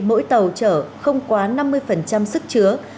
mỗi tàu chở không quá năm mươi sức chứa